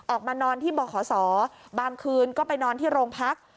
ออกมานอนที่บขศบางคืนก็ไปนอนที่โรงพัก